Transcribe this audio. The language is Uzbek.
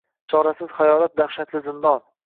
Chorasiz xayolot – dahshatli zindon.